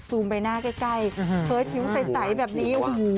ซูมไปน่าก่ายเพราะทิ้วใสแบบนี้